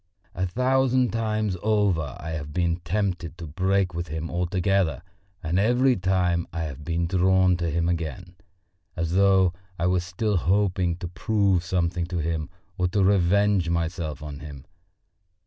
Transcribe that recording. A thousand times over I have been tempted to break with him altogether, and every time I have been drawn to him again, as though I were still hoping to prove something to him or to revenge myself on him.